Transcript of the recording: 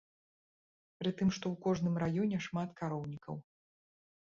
Пры тым, што ў кожным раёне шмат кароўнікаў.